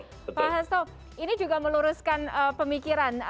pak hasto ini juga meluruskan pemikiran